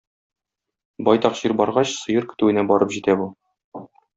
Байтак җир баргач, сыер көтүенә барып җитә бу.